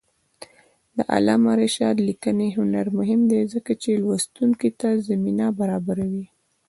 د علامه رشاد لیکنی هنر مهم دی ځکه چې لوستونکي ته زمینه برابروي.